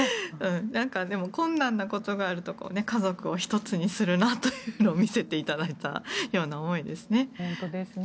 でも、困難なことがあると家族を１つにするなというのを見せていただいたような思いですね。